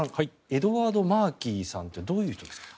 エドワード・マーキーさんってどういう人ですか？